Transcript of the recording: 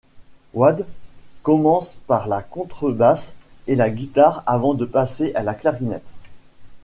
Wade commence par la contrebasse et la guitare avant de passer à la clarinette.